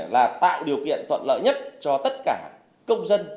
là tạo điều kiện thuận lợi nhất cho tất cả công dân